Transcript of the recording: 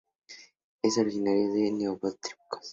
Es originario de los Neotrópicos.